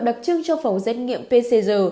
đặc trưng cho phòng xét nghiệm pcr